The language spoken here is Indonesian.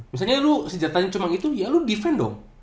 misalnya lu sejata cuman itu ya lu defend dong